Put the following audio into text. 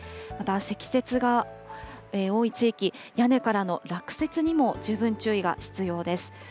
また、積雪が多い地域、屋根からの落雪にも十分注意が必要です。